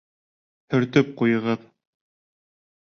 Һөртөп ҡуйығыҙ.